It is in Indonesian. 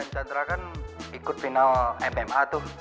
candra kan ikut final mma tuh